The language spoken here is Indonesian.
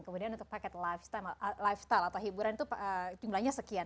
kemudian untuk paket lifestyle atau hiburan itu jumlahnya sekian